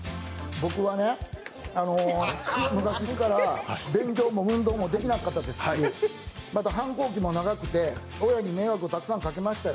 僕はね、昔から勉強も運動もできなかったですしまた反抗期も長くて親に迷惑をたくさんかけましたよ。